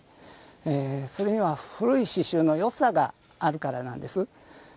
それには古い刺しゅうのよさがあるからなんです。